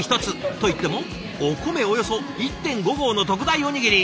といってもお米およそ１．５合の特大おにぎり。